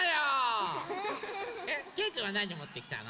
けいくんはなにもってきたの？